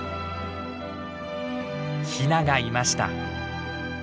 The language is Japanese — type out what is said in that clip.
ヒナがいました。